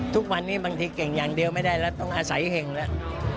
ทุกวันนี้บางทีเก่งอย่างเดียวไม่ได้แล้วต้องอาศัยเห็งแล้ว